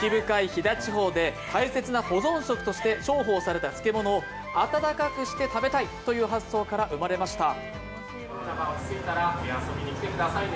飛騨地方で大切な保存食として重宝された漬物を温かくして食べたいという発想から生まれました。